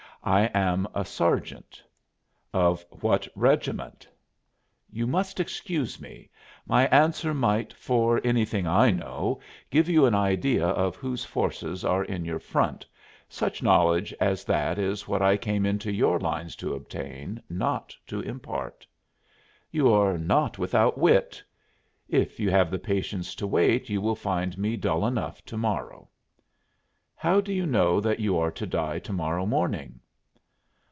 I am a sergeant." "Of what regiment?" "You must excuse me; my answer might, for anything I know, give you an idea of whose forces are in your front. Such knowledge as that is what I came into your lines to obtain, not to impart." "You are not without wit." "If you have the patience to wait you will find me dull enough to morrow." "How do you know that you are to die to morrow morning?"